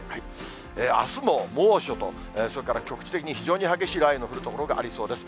あすも猛暑と、それから局地的に非常に激しい雷雨の降る所がありそうです。